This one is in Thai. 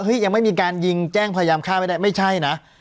ยังไม่มีการยิงแจ้งพยายามฆ่าไม่ได้ไม่ใช่นะ